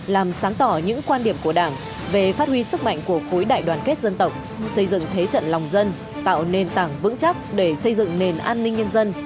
làm sáng tỏ những quan điểm của đảng về phát huy sức mạnh của khối đại đoàn kết dân tộc xây dựng thế trận lòng dân tạo nền tảng vững chắc để xây dựng nền an ninh nhân dân